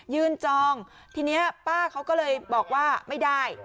จองทีนี้ป้าเขาก็เลยบอกว่าไม่ได้